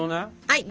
はい。